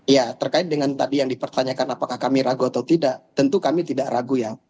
ya terkait dengan tadi yang dipertanyakan apakah kami ragu atau tidak tentu kami tidak ragu ya